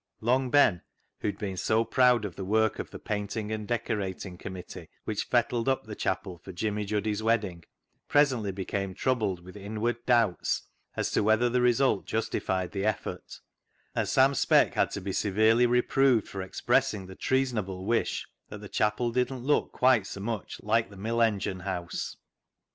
Long Ben, who had been so proud of the work of the painting and decorating committee which " fettled up" the chapel for Jimmy Juddy's wedding, presently became troubled with inward 294 CLOG SHOP CHRONICLES doubts as to whether the result justified the effort, and Sam Speck had to be severely re proved for expressing the treasonable wish that the chapel didn't look quite so much like the mill engine house.